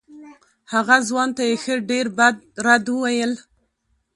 هغه ځوان ته یې ښه ډېر بد رد وویل.